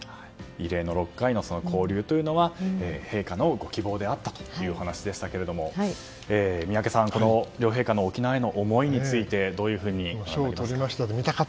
異例の６回の交流というのは陛下のご希望であったというお話でしたけれども宮家さん、両陛下の沖縄への思いについてどういうふうに考えますか？